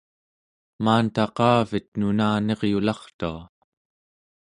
maantaqavet nunaniryulartua